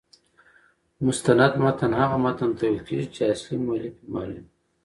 مستند متن هغه متن ته ویل کیږي، چي اصلي مؤلف يې معلوم يي.